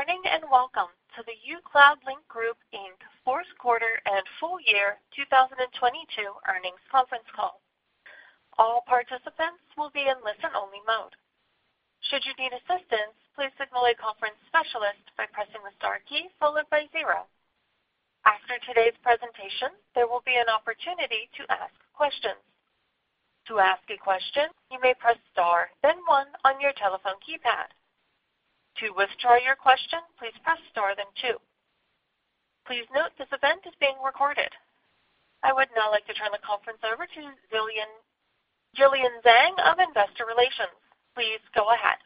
Welcome to the uCloudlink Group Inc fourth quarter and full year 2022 earnings conference call. All participants will be in listen-only mode. Should you need assistance, please signal a conference specialist by pressing the star key followed by zero. After today's presentation, there will be an opportunity to ask questions. To ask a question, you may press star, then one on your telephone keypad. To withdraw your question, please press star, then two. Please note this event is being recorded. I would now like to turn the conference over to Jillian Zeng of Investor Relations. Please go ahead.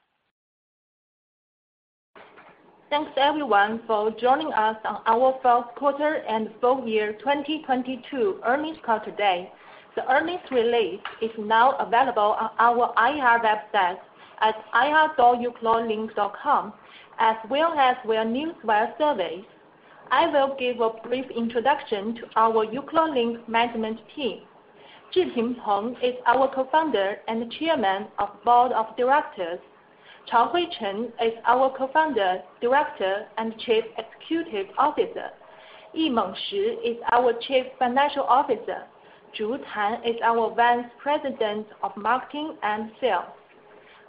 Thanks, everyone, for joining us on our fourth quarter and full year 2022 earnings call today. The earnings release is now available on our IR website at ir.ucloudlink.com, as well as via Newswire service. I will give a brief introduction to our uCloudlink management team. Zhiping Peng is our Co-founder and Chairman of Board of Directors. Chaohui Chen is our Co-founder, Director, and Chief Executive Officer. Yimeng Shi is our Chief Financial Officer. Zhu Tan is our Vice President of Marketing and Sales.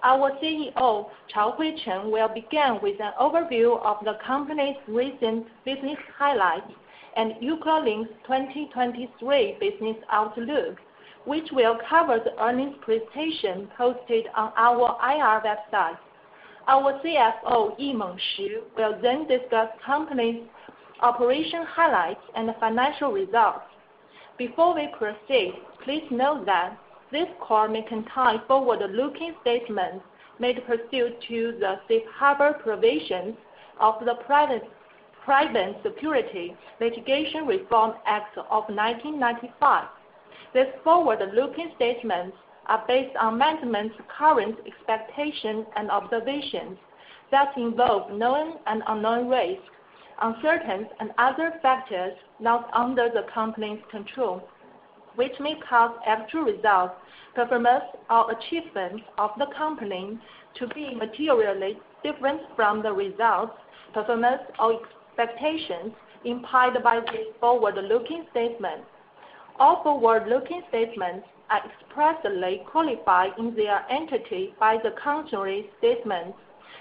Our CEO, Chaohui Chen, will begin with an overview of the company's recent business highlights and uCloudlink's 2023 business outlook, which will cover the earnings presentation posted on our IR website. Our CFO, Yimeng Shi, will discuss company's operation highlights and financial results. Before we proceed, please note that this call may contain forward-looking statements made pursuant to the safe harbor provisions of the Private Securities Litigation Reform Act of 1995. These forward-looking statements are based on management's current expectations and observations that involve known and unknown risks, uncertainties, and other factors not under the company's control, which may cause actual results, performance, or achievements of the company to be materially different from the results, performance, or expectations implied by these forward-looking statements. All forward-looking statements are expressly qualified in their entirety by the cautionary statements,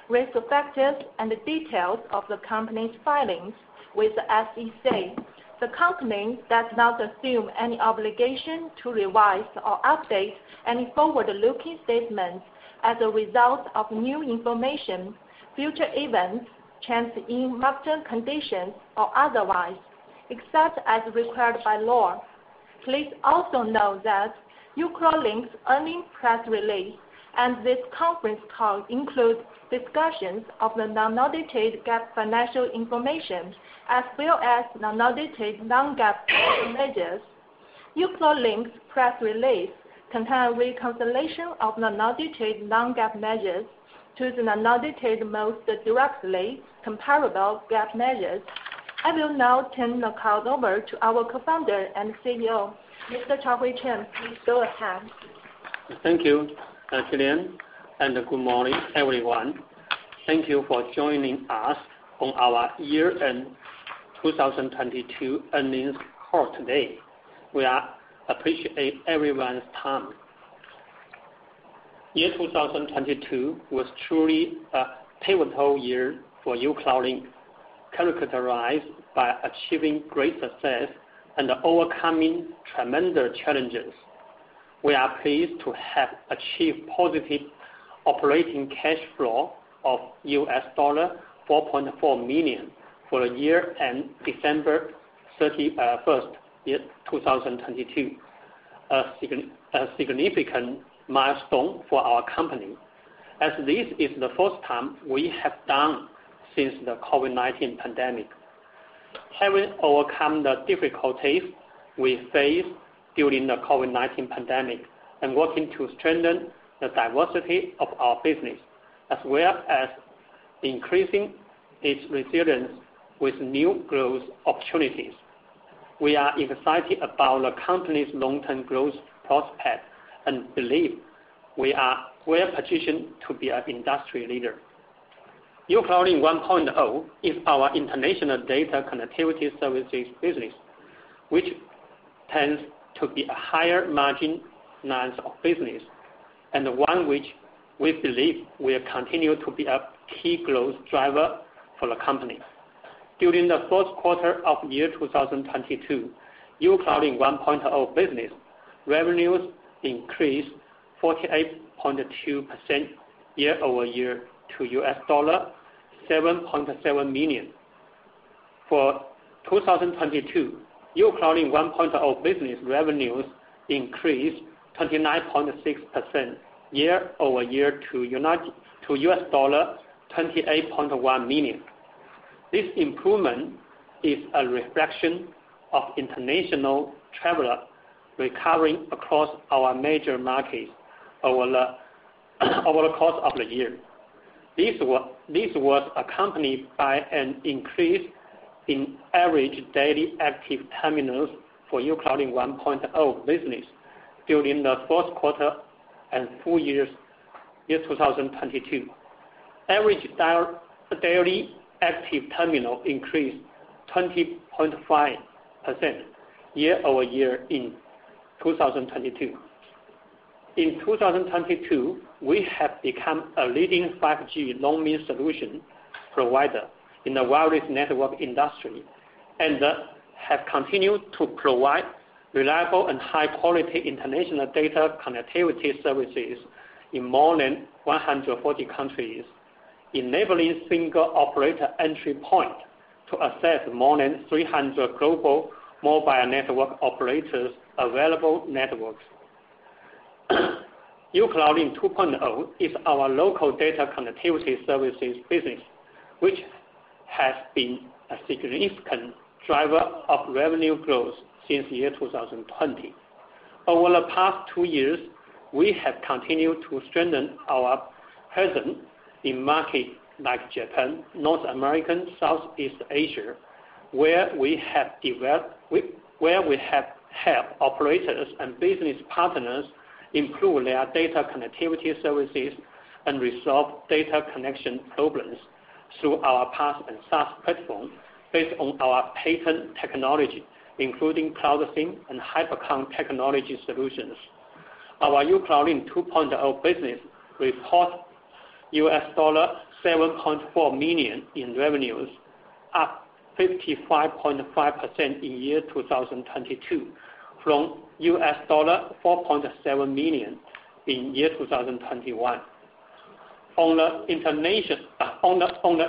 retrospective, and details of the company's filings with the SEC. The company does not assume any obligation to revise or update any forward-looking statements as a result of new information, future events, changes in market conditions, or otherwise, except as required by law. Please also note that uCloudlink's earnings press release and this conference call includes discussions of the non-audited GAAP financial information as well as non-audited non-GAAP measures. uCloudlink's press release contain reconciliation of non-audited non-GAAP measures to the non-audited most directly comparable GAAP measures. I will now turn the call over to our Co-founder and CEO, Mr. Chaohui Chen. Please go ahead. Thank you, Jillian, and good morning, everyone. Thank you for joining us on our year-end 2022 earnings call today. We are appreciate everyone's time. 2022 was truly a pivotal year for uCloudlink, characterized by achieving great success and overcoming tremendous challenges. We are pleased to have achieved positive operating cash flow of $4.4 million for the year end December 31st, 2022, a significant milestone for our company, as this is the first time we have done since the COVID-19 pandemic. Having overcome the difficulties we faced during the COVID-19 pandemic and working to strengthen the diversity of our business, as well as increasing its resilience with new growth opportunities, we are excited about the company's long-term growth prospects and believe we are well-positioned to be an industry leader. uCloudlink 1.0 is our international data connectivity services business, which tends to be a higher margin lines of business, and one which we believe will continue to be a key growth driver for the company. During the fourth quarter of 2022, uCloudlink 1.0 business revenues increased 48.2% year-over-year to $7.7 million. For 2022, uCloudlink 1.0 business revenues increased 29.6% year-over-year to $28.1 million. This improvement is a reflection of international traveler recovering across our major markets over the course of the year. This was accompanied by an increase in average Daily Active Terminals for uCloudlink 1.0 business. During the fourth quarter and full years, year 2022. Average Daily Active Terminals increased 20.5% year-over-year in 2022. In 2022, we have become a leading 5G roaming solution provider in the wireless network industry, and have continued to provide reliable and high-quality international data connectivity services in more than 140 countries, enabling single operator entry point to assess more than 300 global mobile network operators available networks. uCloudlink 2.0 is our local data connectivity services business, which has been a significant driver of revenue growth since the year 2020. Over the past two years, we have continued to strengthen our presence in market like Japan, North America, Southeast Asia, where we have helped operators and business partners improve their data connectivity services and resolve data connection problems through our PaaS and SaaS platform based on our patented technology, including Cloud SIM and HyperConn technology solutions. Our uCloudlink 2.0 business report $7.4 million in revenues, up 55.5% in 2022 from $4.7 million in 2021. On the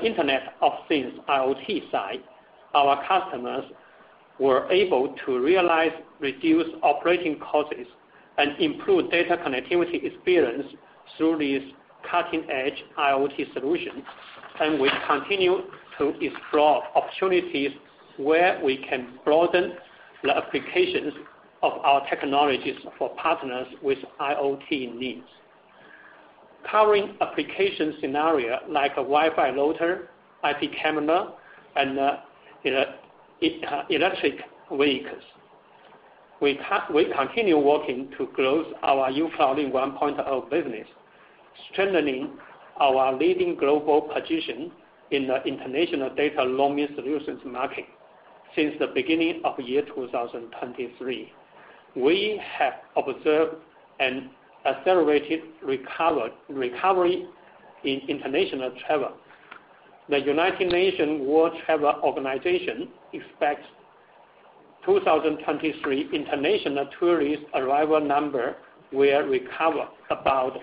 Internet of Things, IoT side, our customers were able to realize reduced operating costs and improve data connectivity experience through these cutting-edge IoT solutions. We continue to explore opportunities where we can broaden the applications of our technologies for partners with IoT needs. Covering application scenario like a Wi-Fi router, IP camera, and electric vehicles. We continue working to close our uCloudlink 1.0 business, strengthening our leading global position in the international data roaming solutions market. Since the beginning of year 2023, we have observed an accelerated recovery in international travel. The United Nations World Tourism Organization expects 2023 international tourist arrival number will recover about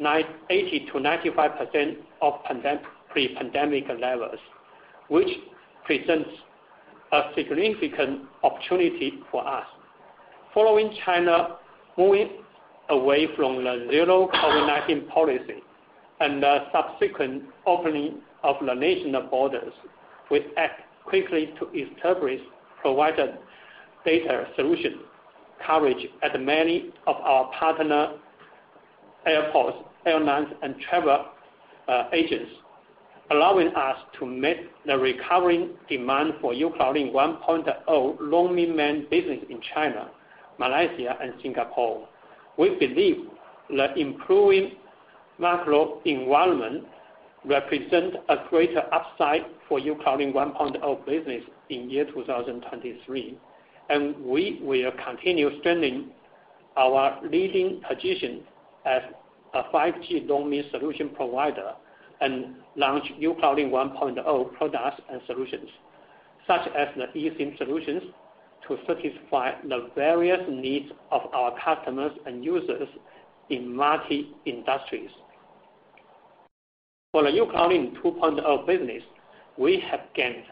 80% to 95% of pre-pandemic levels, which presents a significant opportunity for us. Following China moving away from the zero COVID-19 policy and the subsequent opening of the national borders, we act quickly to establish provider data solution coverage at many of our partner airports, airlines, and travel agents, allowing us to meet the recovering demand for uCloudlink 1.0 roaming business in China, Malaysia, and Singapore. We believe the improving macro environment represent a greater upside for uCloudlink 1.0 business in 2023, and we will continue strengthening our leading position as a 5G roaming solution provider, and launch uCloudlink 1.0 products and solutions, such as the eSIM solutions, to satisfy the various needs of our customers and users in multi-industries. For the uCloudlink 2.0 business, we have gained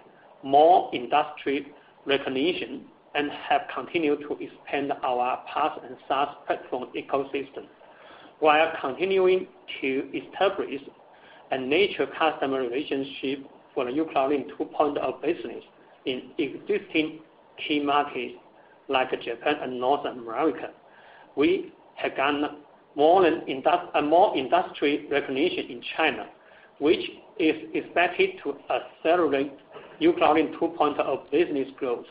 more industry recognition, and have continued to expand our PaaS and SaaS platform ecosystem. While continuing to establish a nature customer relationship for the uCloudlink 2.0 business in existing key markets like Japan and North America. We have gotten a more industry recognition in China, which is expected to accelerate uCloudlink 2.0 business growth.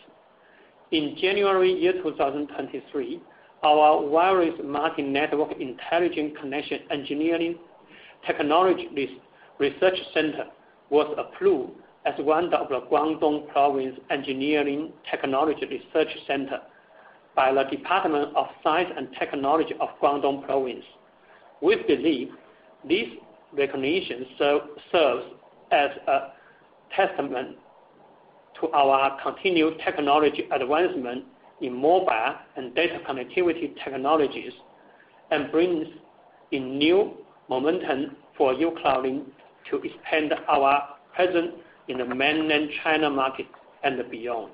In January 2023, our Wireless Multi-Network Intelligent Connection Engineering Technology Research Center was approved as one of the Guangdong Province Engineering Technology Research Center by the Department of Science and Technology of Guangdong Province. We believe this recognition serves as a testament to our continued technology advancement in mobile and data connectivity technologies, and brings a new momentum for uCloudlink to expand our presence in the Mainland China market and beyond.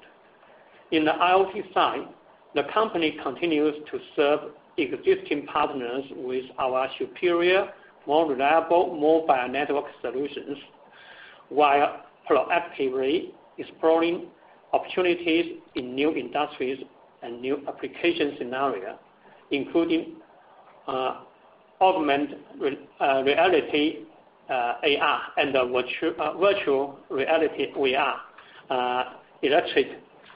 In the IoT side, the company continues to serve existing partners with our superior, more reliable mobile network solutions, while proactively exploring opportunities in new industries and new application scenario, including augment reality, AR, and virtual reality, VR, electric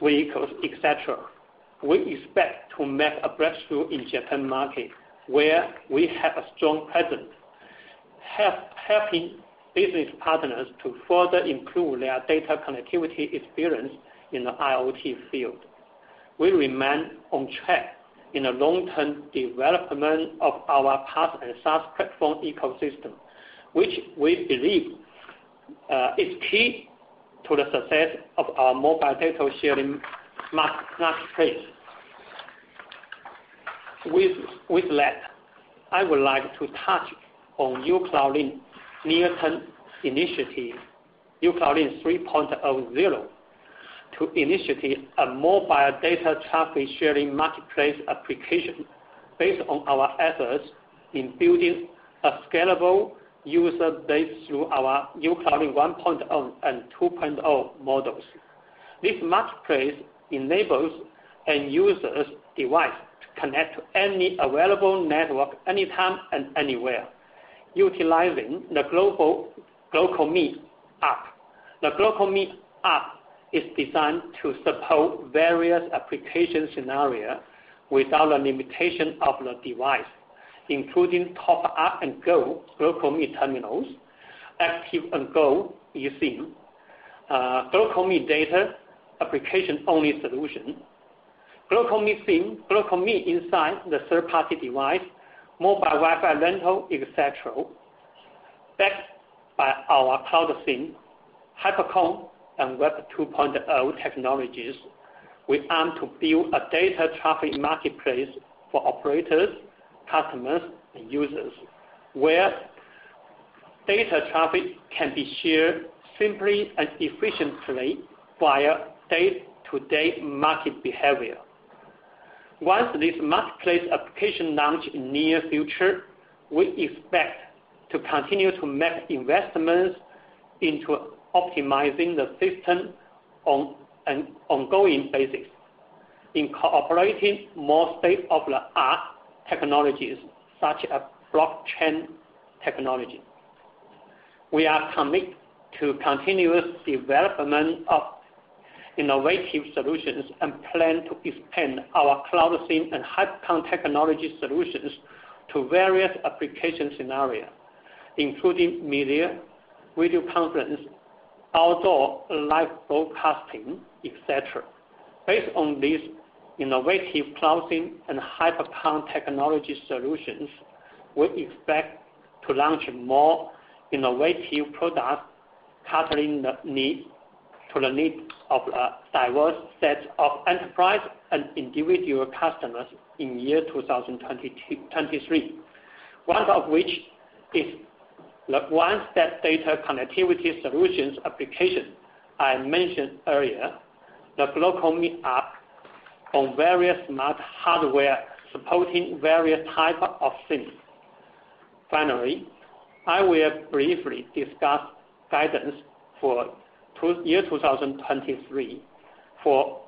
vehicles, et cetera. We expect to make a breakthrough in Japan market, where we have a strong presence. Helping business partners to further improve their data connectivity experience in the IoT field. We remain on track in the long-term development of our PaaS and SaaS platform ecosystem, which we believe is key to the success of our mobile data sharing smart space. With that, I would like to touch on uCloudlink near-term initiative, uCloudlink 3.0, to initiate a mobile data traffic sharing marketplace application based on our efforts in building a scalable user base through our uCloudlink 1.0 and 2.0 models. This marketplace enables an user's device to connect to any available network anytime and anywhere utilizing the global GlocalMe app. The GlocalMe app is designed to support various application scenario without the limitation of the device, including top up-and-go GlocalMe terminals, active-and-go eSIM, GlocalMe data application-only solution, GlocalMe SIM, GlocalMe inside the third-party device, mobile Wi-Fi rental, et cetera. Backed by our Cloud SIM, HyperConn, and Web 2.0 technologies, we aim to build a data traffic marketplace for operators, customers, and users, where data traffic can be shared simply and efficiently via day-to-day market behavior. Once this marketplace application launch in near future, we expect to continue to make investments into optimizing the system on an ongoing basis, incorporating more state-of-the-art technologies, such as blockchain technology. We are commit to continuous development of innovative solutions and plan to expand our Cloud SIM and HyperConn technology solutions to various application scenario, including media, video conference, outdoor live broadcasting, et cetera. Based on these innovative Cloud SIM and HyperConn technology solutions, we expect to launch more innovative products catering to the needs of a diverse set of enterprise and individual customers in year 2023. One of which is the one that data connectivity solutions application I mentioned earlier, the GlocalMe app on various smart hardware supporting various type of SIM. Finally, I will briefly discuss guidance for year 2023. For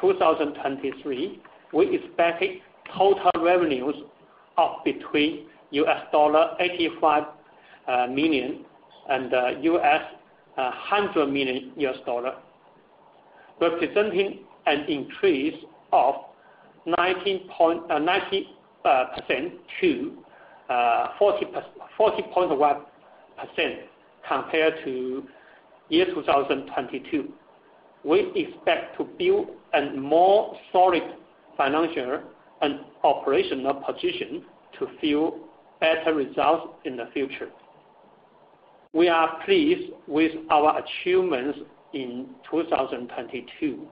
2023, we expect total revenues up between $85 million and $100 million, representing an increase of 19.90% to 40.1% compared to 2022. We expect to build a more solid financial and operational position to fuel better results in the future. We are pleased with our achievements in 2022.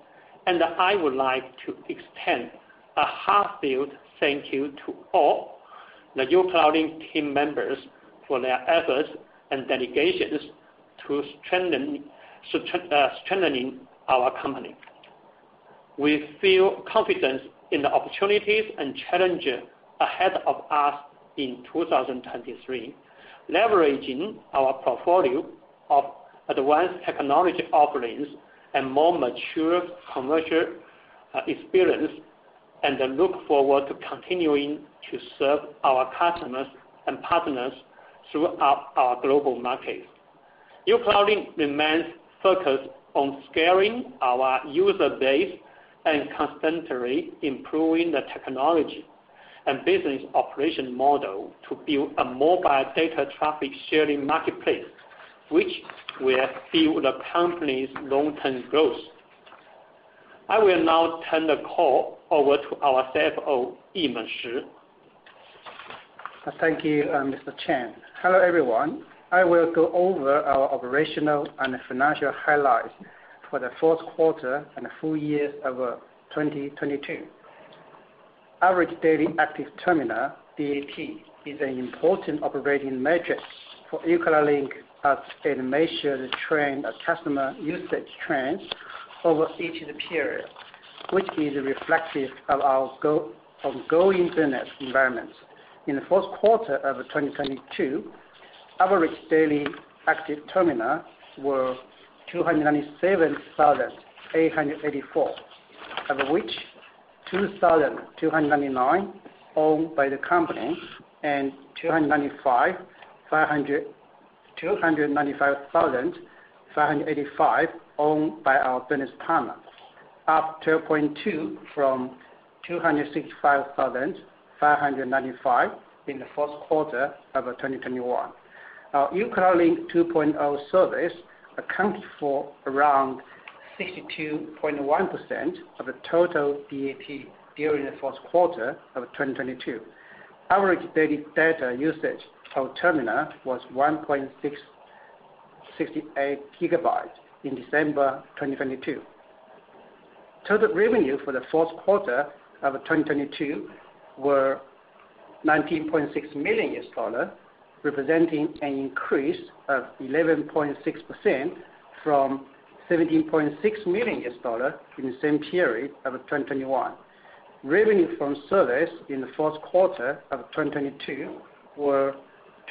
I would like to extend a heartfelt thank you to all the uCloudlink team members for their efforts and dedications to strengthening our company. We feel confident in the opportunities and challenges ahead of us in 2023, leveraging our portfolio of advanced technology offerings and more mature commercial experience. Then look forward to continuing to serve our customers and partners throughout our global markets. uCloudlink remains focused on scaling our user base and constantly improving the technology and business operation model to build a mobile data traffic sharing marketplace, which will fuel the company's long-term growth. I will now turn the call over to our CFO, Yimeng Shi. Thank you, Mr. Chen. Hello, everyone. I will go over our operational and financial highlights for the fourth quarter and full year of 2022. Average Daily Active Terminals, DAT, is an important operating metric for uCloudlink as it measures customer usage trends over each period, which is reflective of our ongoing business environment. In the fourth quarter of 2022, average Daily Active Terminals were 297,884, of which 2,299 owned by the company, and 295,585 owned by our business partner, up 12.2% from 265,595 in the first quarter of 2021. Our uCloudlink 2.0 service accounted for around 62.1% of the total DAT during the first quarter of 2022. Average daily data usage per terminal was 1.68 GB in December 2022. Total revenue for the fourth quarter of 2022 were $19.6 million, representing an increase of 11.6% from $17.6 million in the same period of 2021. Revenue from service in the fourth quarter of 2022 were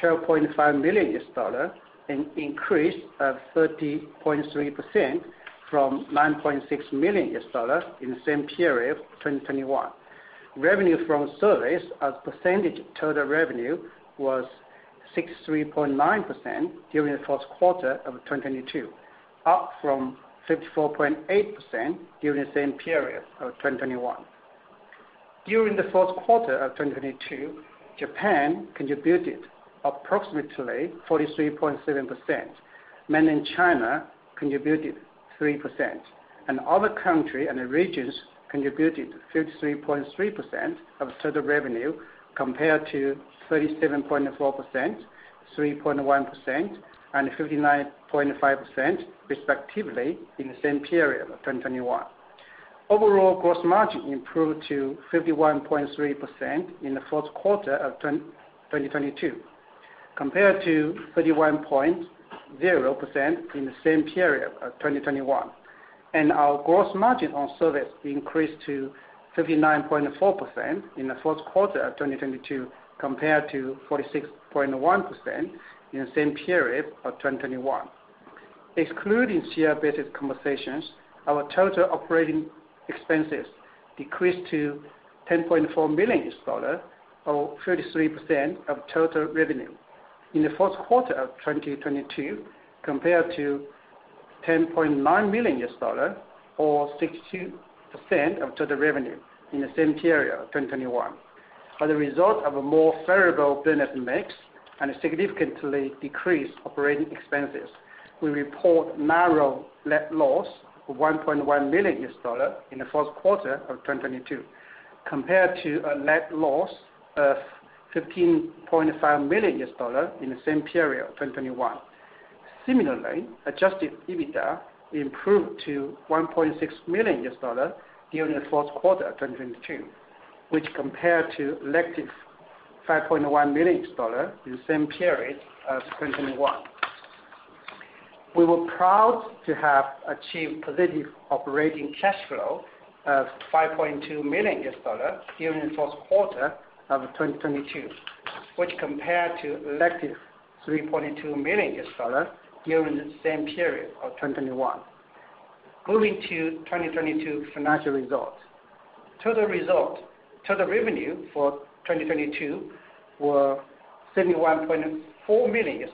$12.5 million, an increase of 30.3% from $9.6 million in the same period of 2021. Revenue from service as % of total revenue was 63.9% during the fourth quarter of 2022, up from 54.8% during the same period of 2021. During the fourth quarter of 2022, Japan contributed approximately 43.7%. Mainland China contributed 3%, and other country and regions contributed 53.3% of total revenue compared to 37.4%, 3.1% and 59.5% respectively in the same period of 2021. Overall gross margin improved to 51.3% in the fourth quarter of 2022, compared to 31.0% in the same period of 2021. Our gross margin on service increased to 59.4% in the fourth quarter of 2022 compared to 46.1% in the same period of 2021. Excluding share-based compensations, our total operating expenses decreased to $10.4 million, or 33% of total revenue in the fourth quarter of 2022, compared to $10.9 million or 60% of total revenue in the same period of 2021. As a result of a more favorable business mix and a significantly decreased operating expenses, we report narrow net loss of $1.1 million in the first quarter of 2022, compared to a net loss of $15.5 million in the same period of 2021. Similarly, adjusted EBITDA improved to $1.6 million during the fourth quarter of 2022, which compared to -$5.1 million in the same period of 2021. We were proud to have achieved positive operating cash flow of $5.2 million during the fourth quarter of 2022, which compared to -$3.2 million during the same period of 2021. Moving to 2022 financial results. Total revenue for 2022 were $71.4 million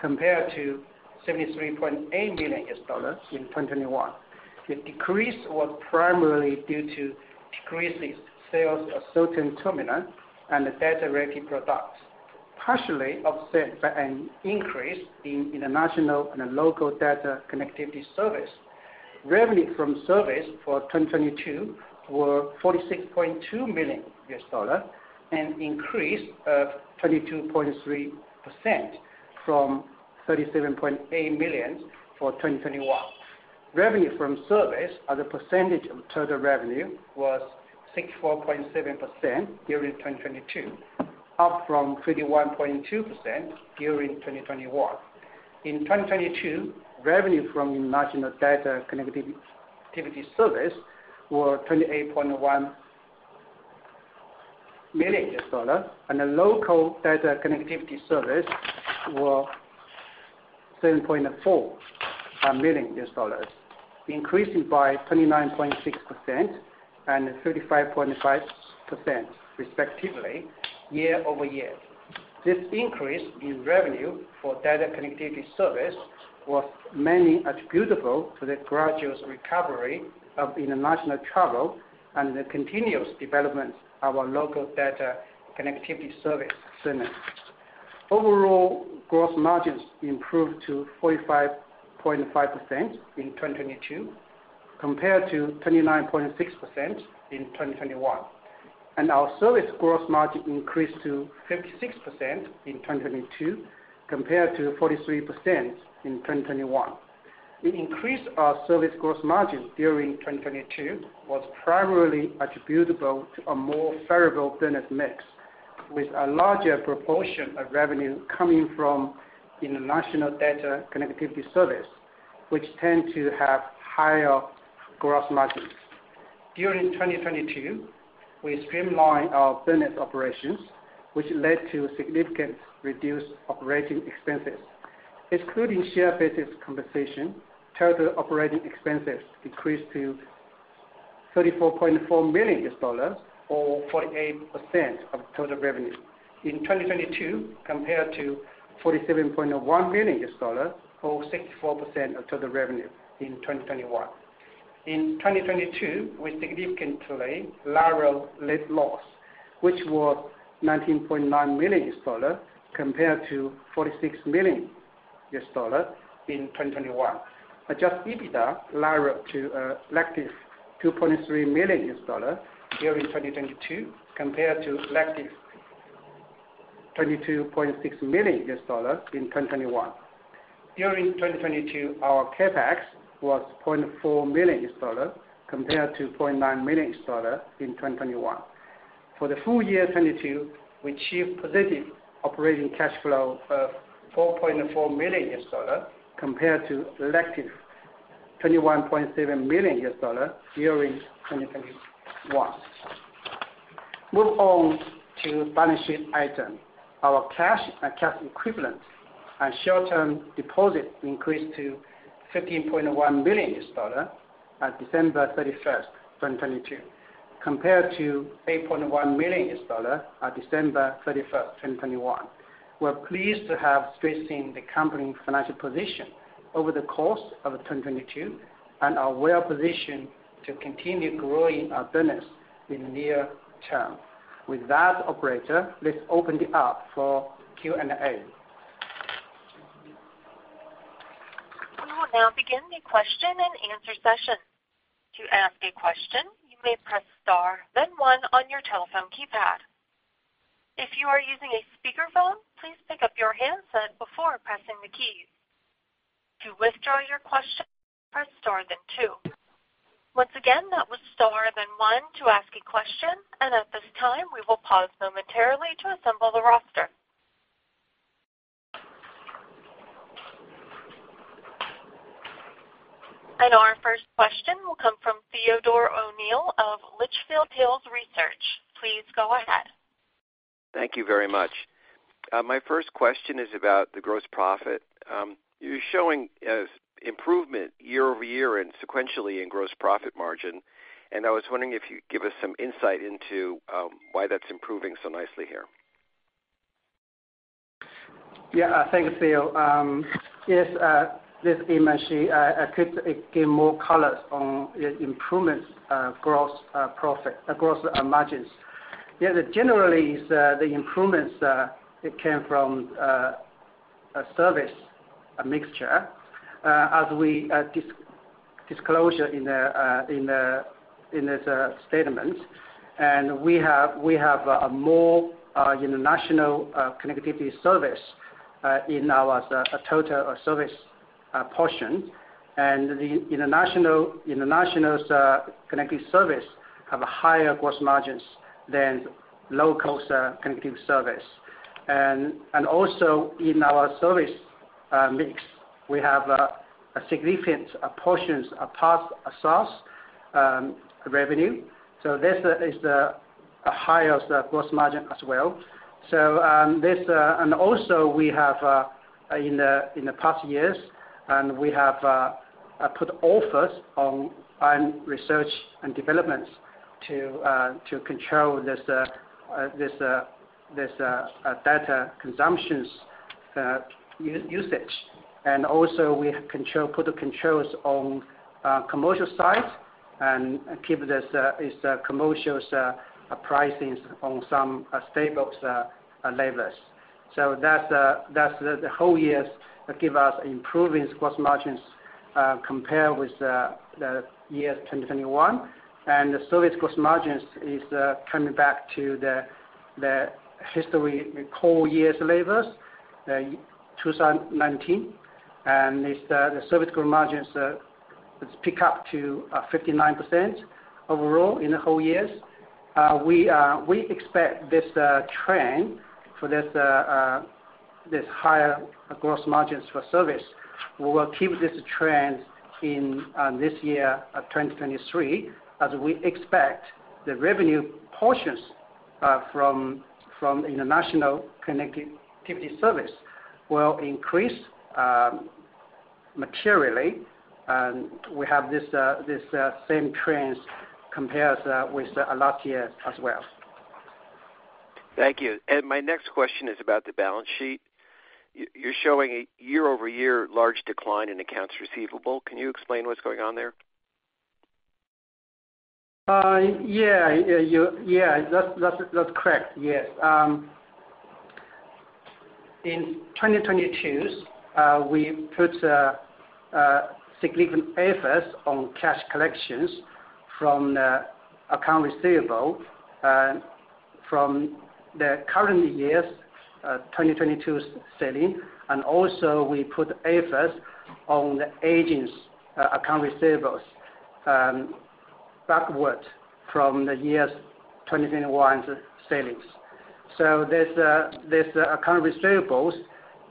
compared to $73.8 million in 2021. The decrease was primarily due to decrease in sales of certain terminal and the data-related products, partially offset by an increase in international and local data connectivity service. Revenue from service for 2022 were $46.2 million, an increase of 22.3% from $37.8 million for 2021. Revenue from service as a percentage of total revenue was 64.7% during 2022, up from 21.2% during 2021. In 2022, revenue from international data connectivity service were $28.1 million, and the local data connectivity service were $7.4 million, increasing by 29.6% and 35.5% respectively year-over-year. This increase in revenue for data connectivity service was mainly attributable to the gradual recovery of international travel and the continuous development of our local data connectivity service centers. Overall gross margins improved to 45.5% in 2022 compared to 29.6% in 2021. Our service gross margin increased to 56% in 2022 compared to 43% in 2021. The increase of service gross margin during 2022 was primarily attributable to a more favorable business mix, with a larger proportion of revenue coming from international data connectivity service, which tend to have higher gross margins. During 2022, we streamlined our business operations, which led to significant reduced operating expenses. Excluding share-based compensation, total operating expenses increased to $34.4 million or 48% of total revenue in 2022 compared to $47.1 million or 64% of total revenue in 2021. In 2022, we significantly narrowed net loss, which was $19.9 million compared to $46 million in 2021. Adjusted EBITDA narrowed to -$2.3 million during 2022 compared to -$22.6 million in 2021. During 2022, our CapEx was $0.4 million compared to $0.9 million in 2021. For the full year 2022, we achieved positive operating cash flow of $4.4 million compared to -$21.7 million during 2021. Move on to balance sheet item. Our cash and cash equivalents and short-term deposits increased to $15.1 million at December 31st, 2022 compared to $8.1 million at December 31st, 2021. We're pleased to have strengthened the company's financial position over the course of 2022 and are well-positioned to continue growing our business in the near term. With that, operator, let's open it up for Q&A. We will now begin the question-and-answer session. To ask a question, you may press star then one on your telephone keypad. If you are using a speakerphone, please pick up your handset before pressing the keys. To withdraw your question, press star then two. Once again, that was star then one to ask a question, and at this time, we will pause momentarily to assemble the roster. Our first question will come from Theodore O'Neill of Litchfield Hills Research. Please go ahead. Thank you very much. My first question is about the gross profit. You're showing us improvement year-over-year and sequentially in gross profit margin, and I was wondering if you'd give us some insight into why that's improving so nicely here. Yeah. Thank you, Theo. Yes, this image, I could give more colors on improvements, gross margins. Yeah, the generally is the improvements it came from a service mixture as we disclosure in this statement. We have a more international connectivity service in our total service portion. The international's connectivity service have higher gross margins than low-cost connectivity service. Also in our service mix, we have a significant portions of PaaS, SaaS revenue. This is the highest gross margin as well. Also we have in the past years, and we have put offers on research and developments to control this data consumptions usage. Also we have put controls on commercial side and keep this commercials pricing on some stable levels. That's the, that's the whole years give us improving gross margins compared with the year 2021. The service gross margins is coming back to the history whole year's levels 2019. This the service gross margins, it's pick up to 59% overall in the whole years. We expect this trend for this higher gross margins for service. We will keep this trend in this year of 2023, as we expect the revenue portions from international connectivity service will increase materially. We have this same trends compares with last year as well. Thank you. My next question is about the balance sheet. You're showing a year-over-year large decline in accounts receivable. Can you explain what's going on there? Yeah. Yeah. That's correct. Yes. In 2022, we put significant efforts on cash collections from the account receivable from the current years, 2022 selling. Also we put efforts on the agents account receivables backward from the years 2021's savings. There's account receivables.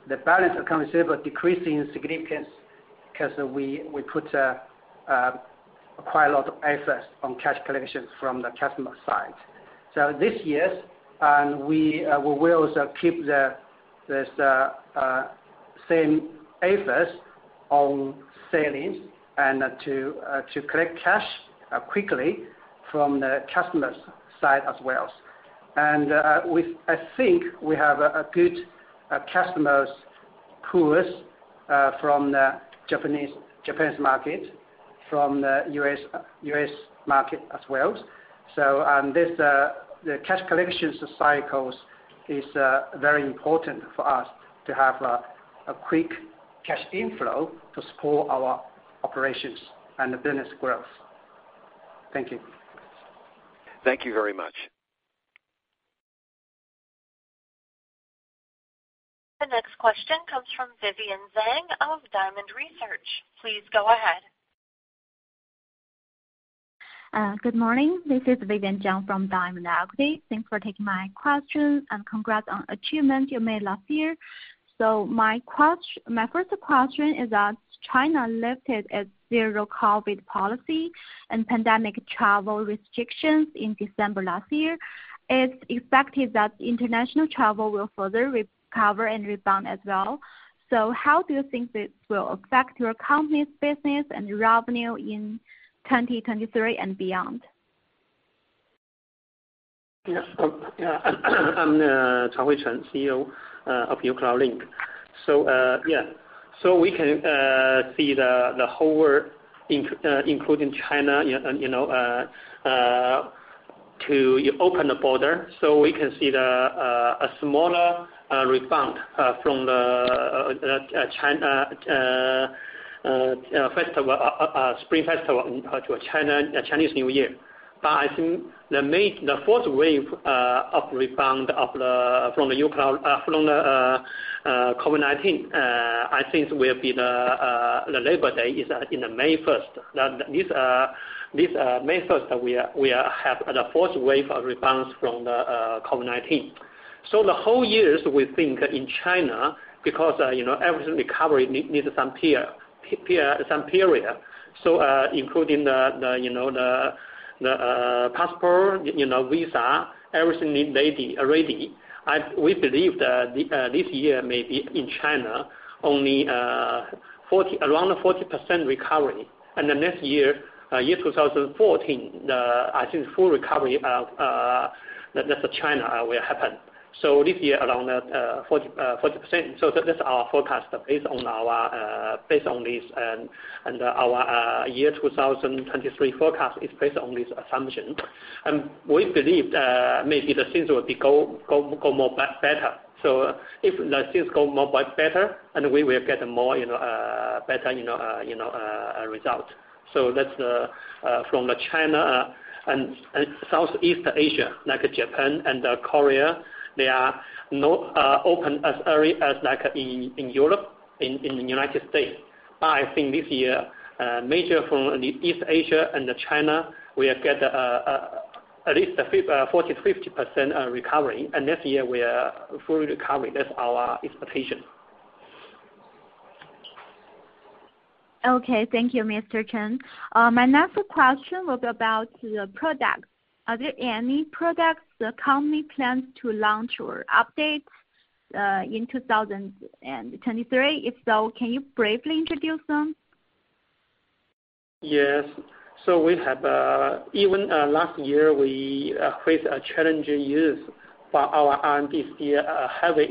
The balance account receivable decreasing significance 'cause we put quite a lot of efforts on cash collections from the customer side. This years, we will also keep this same efforts on savings and to collect cash quickly from the customer's side as well. I think we have a good customers pools from the Japanese market, from the U.S. market as well. This the cash collections cycles is very important for us to have a quick cash inflow to support our operations and the business growth. Thank you. Thank you very much. The next question comes from Vivian Zhang of Diamond Research. Please go ahead. Good morning. This is Vivian Zhang from Diamond Equity. Thanks for taking my questions, and congrats on achievement you made last year. My first question is as China lifted its zero-COVID policy and pandemic travel restrictions in December last year, it's expected that international travel will further recover and rebound as well. How do you think this will affect your company's business and revenue in 2023 and beyond? Yeah. yeah. I'm Chaohui Chen, CEO of uCloudlink. Yeah. We can see the whole world including China, you, and, you know, to open the border. We can see a smaller rebound from the China festival, spring festival in to China, Chinese New Year. I think the fourth wave of rebound from the COVID-19, I think will be the Labor Day is in May first. This May first that we are have the fourth wave of rebounds from the COVID-19. The whole years we think in China because, you know, everything recovery needs some period. Including the, you know, the, passport, you know, visa, everything need ready. We believe that the this year maybe in China only 40, around 40% recovery. Next year 2014, the, I think full recovery of the China will happen. This year around 40%. That's our forecast based on our based on this, and our year 2023 forecast is based on this assumption. We believe, maybe the things will be go more better. If the things go more better, and we will get more, you know, better, you know, you know, a result. That's the from the China and Southeast Asia, like Japan and Korea, they are not open as early as like in Europe, in United States. I think this year major from the East Asia and the China will get at least 40%-50% recovery, and next year we are fully recovery. That's our expectation. Okay. Thank you, Mr. Chen. My next question will be about the products. Are there any products the company plans to launch or updates in 2023? If so, can you briefly introduce them? Yes. We have even last year, we faced a challenging years for our R&D team, heavy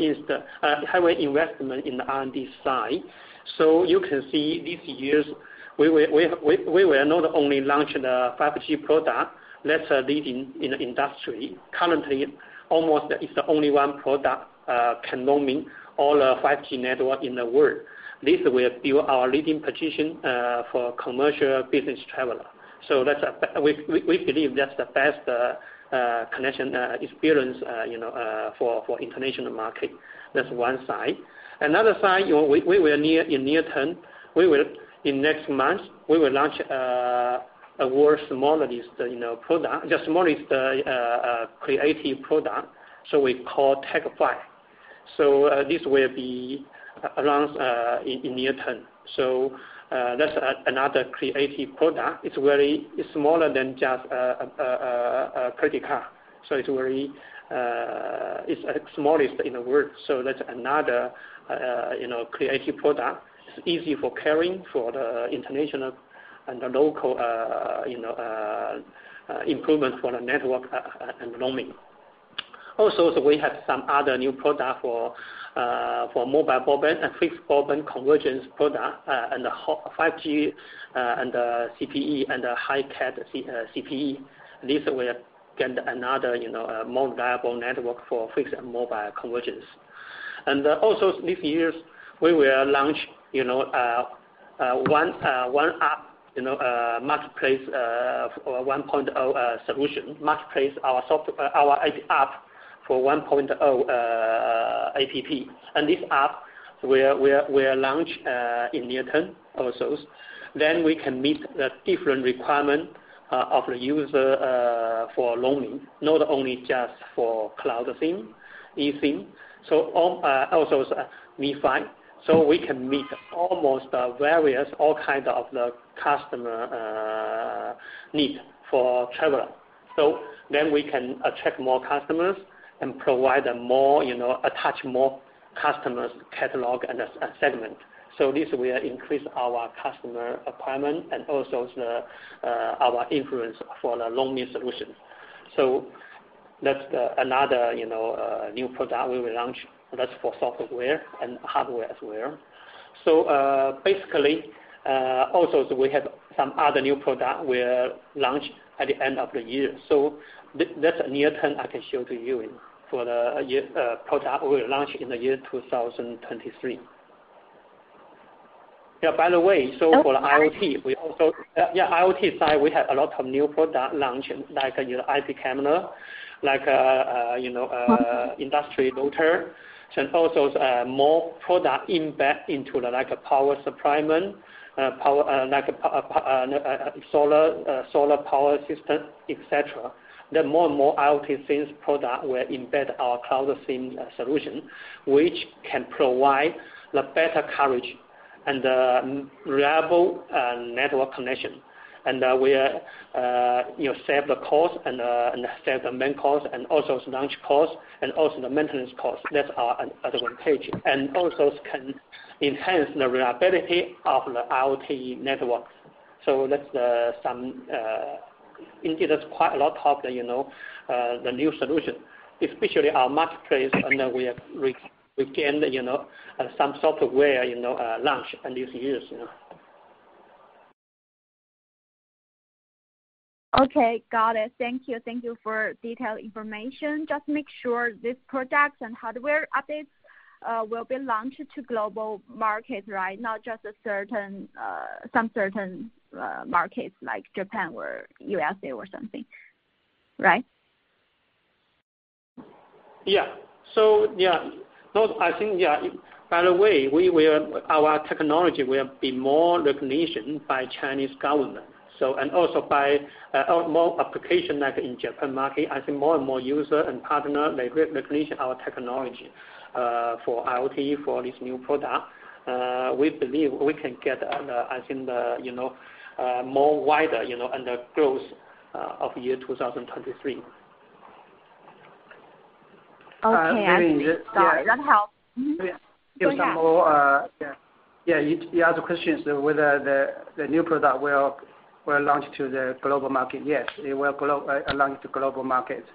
investment in the R&D side. You can see this years we will not only launch the 5G product that's leading in the industry. Currently, almost it's the only one product can roaming all the 5G network in the world. This will build our leading position for commercial business traveler. We believe that's the best connection experience, you know, for international market. That's one side. Another side, you know, we will in near term, we will in next month, we will launch a world smallest, you know, product. The smallest creative product, so we call Tekﬁ. This will be announced in near term. That's another creative product. It's very. It's smaller than just a credit card. It's very. It's smallest in the world. That's another, you know, creative product. It's easy for carrying for the international and the local, you know, improvement for the network and roaming. Also, we have some other new product for mobile broadband and fixed broadband convergence product, and the 5G, and the CPE and a high-gain CPE. This will get another, you know, mobile network for fixed and mobile convergence. Also this years, we will launch, you know, one app, you know, marketplace, or 1.0 solution. Marketplace our app for 1.0, app. This app will launch in near term also. We can meet the different requirement of the user for roaming, not only just for Cloud SIM, eSIM. Also Wi-Fi. We can meet almost various all kind of the customer need for traveler. We can attract more customers and provide a more, you know, attach more customers catalog and a segment. This will increase our customer requirement and also the our influence for the roaming solution. That's the another, you know, new product we will launch that's for software and hardware as well. Basically, also, so we have some other new product we're launch at the end of the year. That's near term I can show to you in... for the year, product we'll launch in the year 2023. By the way, for IoT, we also. Yeah, IoT side, we have a lot of new product launch, like, you know, IP camera, like, you know, industry router, and also, more product embed into the like power supplyment, power, like, solar power system, et cetera. The more and more IoT SIMs product will embed our Cloud SIM solution, which can provide the better coverage and the reliable network connection. We, you know, save the cost and save the main cost and also launch cost and also the maintenance cost. That's our advantage. Also can enhance the reliability of the IoT networks. That's the some, indeed, that's quite a lot of the, you know, the new solution, especially our marketplace, and then we have regained, you know, some software, you know, launch in these years, you know. Okay. Got it. Thank you. Thank you for detailed information. Just make sure these products and hardware updates will be launched to global market, right? Not just some certain markets like Japan or USA or something, right? Yeah. Those I think, yeah. By the way, Our technology will be more recognition by Chinese government, and also by more application like in Japan market. I think more and more user and partner, they re-recognition our technology for IoT, for this new product. We believe we can get, I think the, you know, more wider, you know, and the growth of year 2023. Okay. Uh, meaning the- I see. Sorry. That helps. Yeah. Go ahead. Give some more, yeah. You asked the question whether the new product will launch to the global market. Yes, it will launch to global market.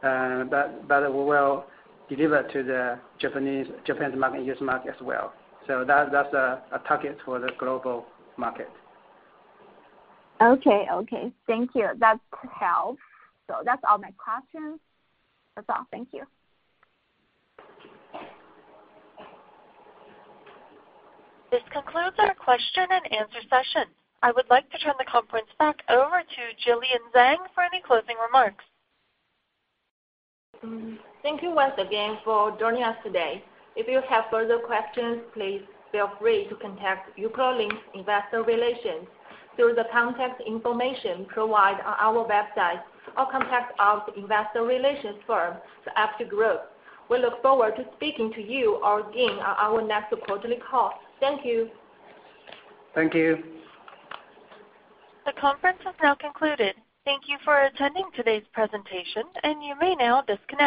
But we will deliver to the Japanese, Japan's market, U.S. market as well. That's a target for the global market. Okay. Okay. Thank you. That helps. That's all my questions. That's all. Thank you. This concludes our question and answer session. I would like to turn the conference back over to Jillian Zeng for any closing remarks. Thank you once again for joining us today. If you have further questions, please feel free to contact uCloudlink Investor Relations through the contact information provided on our website or contact our investor relations firm, the APT Group. We look forward to speaking to you again on our next quarterly call. Thank you. Thank you. The conference has now concluded. Thank you for attending today's presentation, and you may now disconnect.